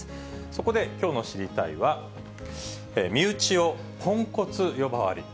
そこで、きょうの知りたいッ！は、身内をポンコツ呼ばわり。